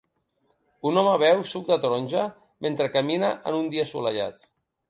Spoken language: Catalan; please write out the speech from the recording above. Un home beu suc de taronja mentre camina en un dia assolellat.